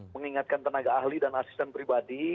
mengingatkan tenaga ahli dan asisten pribadi